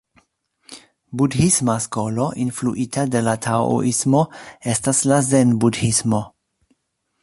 Budhisma skolo influita de la taoismo estas la zen-budhismo.